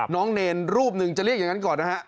เนรรูปหนึ่งจะเรียกอย่างนั้นก่อนนะฮะ